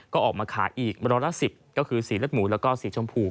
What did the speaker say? ก็ออกมาขายอีกร้อยละ๑๐ก็คือสีเลือดหมูแล้วก็สีชมพู